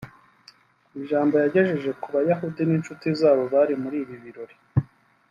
Mu ijambo yagejeje ku Bayahudi n’inshuti zabo bari muri ibi birori